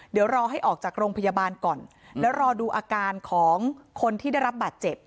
เดี๋ยวรอให้ออกจากโรงพยาบาลก่อนแล้วรอดูอาการของคนที่ได้รับบาดเจ็บ